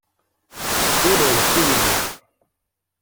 Ur rfin.